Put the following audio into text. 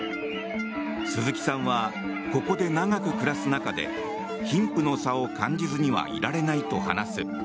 鈴木さんはここで長く暮らす中で貧富の差を感じずにはいられないと話す。